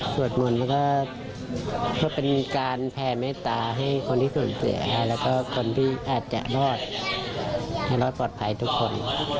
สวดหมนก็เป็นการแพงไม่ตาให้คนที่สูญเสียและคนที่อาจจะรอดให้รอดปลอดภัยทุกคน